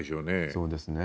そうですね。